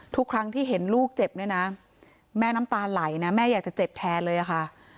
ทุกครั้งที่เห็นลูกเจ็บเนี่ยนะแม่น้ำตาไหลนะแม่อยากจะเจ็บแทนเลยค่ะ